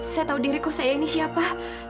saya tahu diriku saya ini siapa